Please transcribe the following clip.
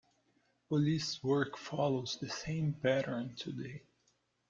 Police work follows the same pattern today.